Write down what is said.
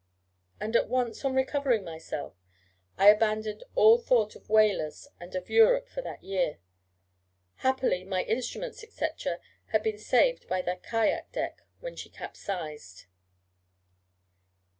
And at once, on recovering myself, I abandoned all thought of whalers and of Europe for that year. Happily, my instruments, &c., had been saved by the kayak deck when she capsized.